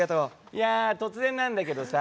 いや突然なんだけどさ。